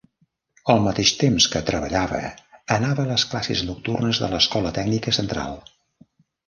Al mateix temps que treballava anava a les classes nocturnes de l'Escola Tècnica Central.